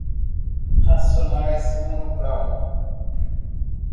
Racionais, Mano Brown